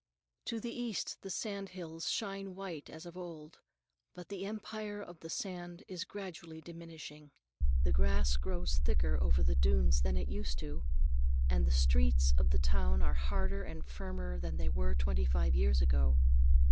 To the east the sand hills shine white as of old, but the empire of the sand is gradually diminishing. The grass grows thicker over the dunes than it used to, and the streets of the town are harder and firmer than they were twenty five years ago.